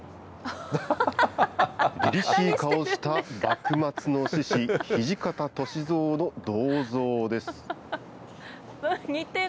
りりしい顔をした幕末の志士、土方歳三の銅像です。